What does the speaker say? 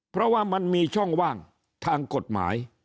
เพราะว่ามันมีช่องว่างทางกฎหมาย